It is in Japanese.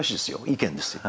意見ですよ。